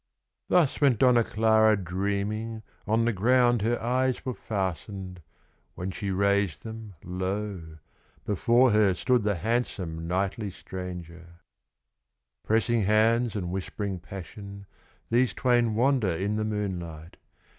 Thus went Donna Clara dreaming, On the ground her eyes were fastened, When she raised them, lo! before her Stood the handsome, knightly stranger. Pressing hands and whispering passion, These twain wander in the moonlight.